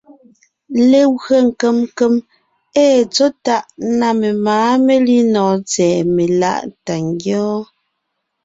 Legwé nkèm nkèm ée tsɔ̌ tàʼ na memáa melínɔɔn tsɛ̀ɛ meláʼ tà ngyɔ́ɔn.